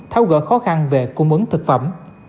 thao gỡ khó khăn về cung ứng thực phẩm